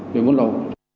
để buôn lậu